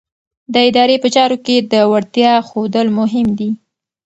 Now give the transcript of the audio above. د ادارې په چارو کې د وړتیا ښودل مهم دي.